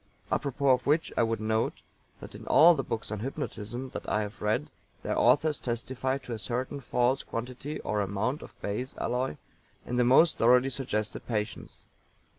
Apropos of which I would note that in all the books on Hypnotism that I have read their authors testify to a certain false quantity or amount of base alloy in the most thoroughly suggested patients.